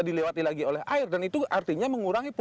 dilewati lagi oleh air dan itu artinya mengurungkan sedimtasi